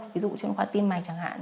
ví dụ chuyên khoa tim mạch chẳng hạn